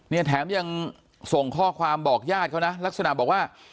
เนี่ยแถมยังส่งข้อความบอกญาติเขานะลักษณะบอกว่า